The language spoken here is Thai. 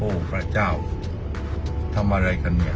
โอ้พระเจ้าทำอะไรกันเนี่ย